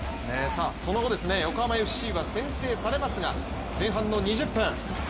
その後、横浜ＦＣは先制されますが、前半の２０分。